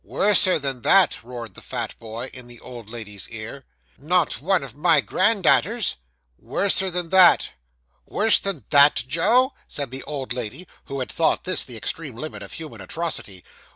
Worser than that,' roared the fat boy, in the old lady's ear. 'Not one of my grandda'aters?' 'Worser than that.' 'Worse than that, Joe!' said the old lady, who had thought this the extreme limit of human atrocity.